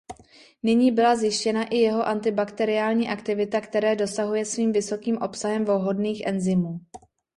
Nyní byla zjištěna i jeho antibakteriální aktivita které dosahuje svým vysokým obsahem vhodných enzymů.